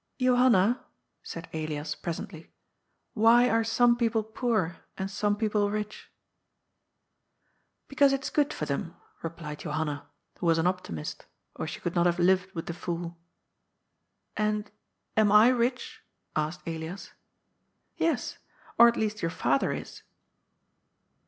*' Johanna," said Elias presently, ^^ why are some people poor and some people rich?" " Because it's good for them," replied Johanna, who was an optimist, or she could not have lived with the f ooL "And am I rich?" asked Elias. " Yes. Or at least your father is."